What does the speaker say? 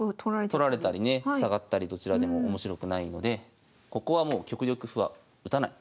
取られたりね下がったりどちらでも面白くないのでここはもう極力歩は打たない。